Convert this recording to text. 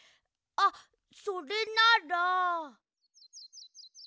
あっそれなら。